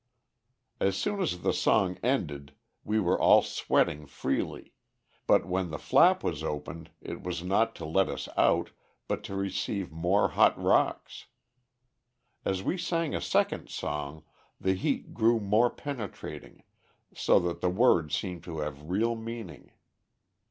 As soon as the song ended, we were all sweating freely, but when the flap was opened, it was not to let us out, but to receive more hot rocks. As we sang a second song the heat grew more penetrating, so that the words seemed to have real meaning.